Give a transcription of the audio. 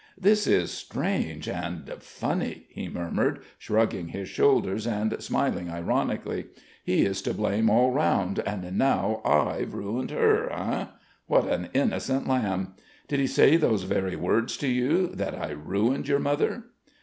"This is strange, and ... funny," he murmured, shrugging his shoulders and smiling ironically. "He is to blame all round, and now I've ruined her, eh? What an innocent lamb! Did he say those very words to you: that I ruined your mother?"